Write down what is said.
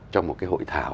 trong một cái hội thảo